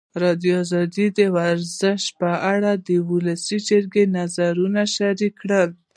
ازادي راډیو د ورزش په اړه د ولسي جرګې نظرونه شریک کړي.